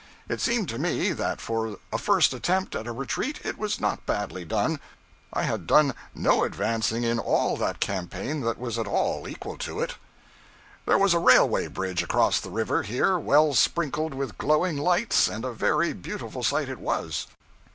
It seemed to me that for a first attempt at a retreat it was not badly done. I had done no advancing in all that campaign that was at all equal to it. There was a railway bridge across the river here well sprinkled with glowing lights, and a very beautiful sight it was.